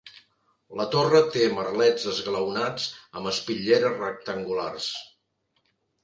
La torre té merlets esglaonats amb espitlleres rectangulars.